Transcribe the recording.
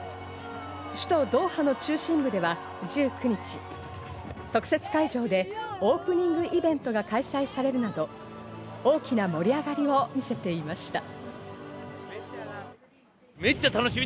首都・ドーハの中心部では、１９日、特設会場でオープニングイベントが開催されるなど、大きな盛り上がりを見せていました。